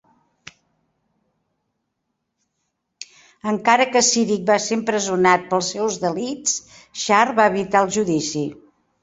Encara que Cyric va ser empresonat pels seus delits, Shar va evitar el judici.